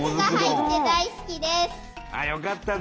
よかったね！